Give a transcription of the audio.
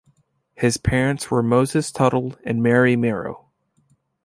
His parents were Moses Tuttle and Mary Merrow.